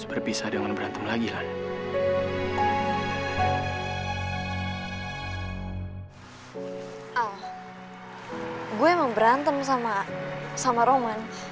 kita ketemu dengan berantem